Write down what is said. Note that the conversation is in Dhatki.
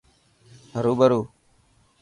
هرو برو.